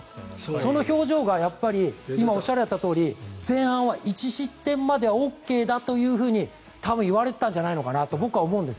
その表情が今、おっしゃられたとおり前半は１失点まではＯＫだというふうに多分言われてたんじゃないのかと僕は思うんです。